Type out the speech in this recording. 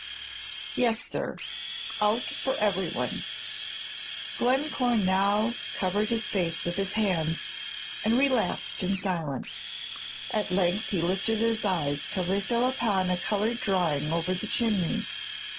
"Yes, sir; out for every one." Glencore now covered his face with his hands, and relapsed into silence. At length he lifted his eyes till they fell upon a colored drawing over the chimney.